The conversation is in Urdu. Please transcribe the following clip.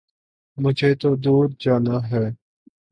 مجھے تو دور جانا ہے